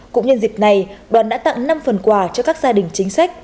cũng nhân dịp này đoàn đã tặng năm phần quà cho các gia đình chính sách